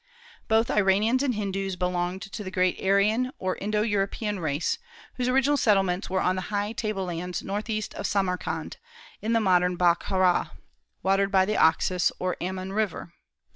Both Iranians and Hindus belonged to the great Aryan or Indo European race, whose original settlements were on the high table lands northeast of Samarkand, in the modern Bokhara, watered by the Oxus, or Amon River.